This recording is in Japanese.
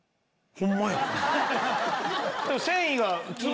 ホンマや！